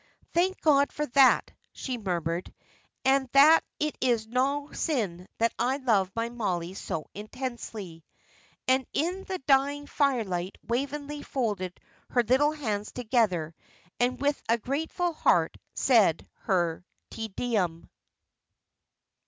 "Thank God for that," she murmured, "and that it is no sin that I love my Mollie so intensely." And in the dying firelight Waveney folded her little hands together, and with a grateful heart said her Te Deum.